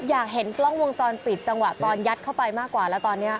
อยากเห็นกล้องวงจรปิดจังหวะตอนยัดเข้าไปมากกว่าแล้วตอนนี้